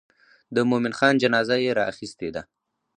د مومن خان جنازه یې راخیستې ده.